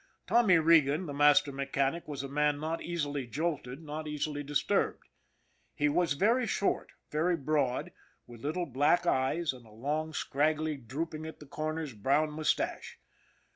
Tommy Regan, the master mechanic, was a man not easily jolted, not easily disturbed. He was very short, very broad, with little black eyes, and a long, scraggly, drooping at the corners, brown mus tache.